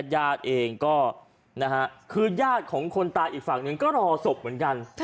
ญาติเองก็คือญาติของคนตายอีกฝั่งหนึ่งก็รอศพเหมือนกัน